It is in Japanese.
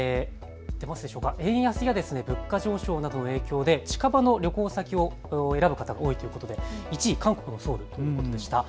円安や物価上昇などの影響で近場の旅行先を選ぶ方が多いということで１位、韓国のソウルということでした。